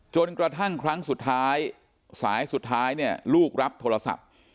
จนกระทั่งครั้งสุดท้ายสายสุดท้ายเนี่ยลูกรับโทรศัพท์